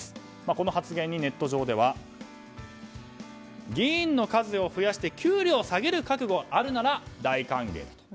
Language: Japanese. この発言にネット上では議員の数を増やして給料下げる覚悟があるなら大歓迎だと。